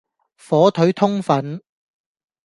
火腿通粉